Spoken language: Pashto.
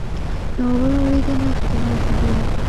ناوړه اورېدنه اختلاف زېږوي.